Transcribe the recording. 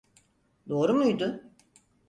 Doğru muydu?